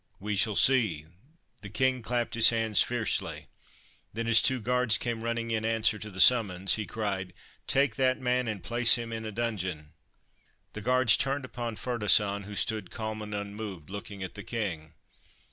' We shall see.' The King clapped his hands fiercely. Then, as two guards came running in answer to the summons, he cried, ' Take that man and place him in a dungeon 1 ' The guards turned upon Ferdasan, who stood calm and unmoved, looking at the King.